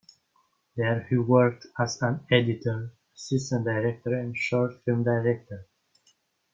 There he worked as an editor, assistant director and short film director.